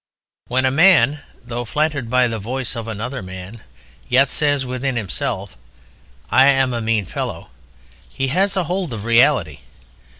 When a man, although flattered by the voice of another, yet says within himself, "I am a mean fellow," he has hold of reality.